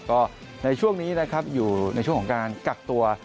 ก็ในช่วงนี้นะครับอยู่ในช่วงของการกักตัว